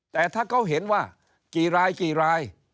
แต่ถ้าเขาเห็นว่ากี่รายกี่ราย